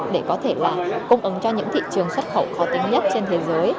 để có thể là cung ứng cho những thị trường xuất khẩu khó tính nhất trên thế giới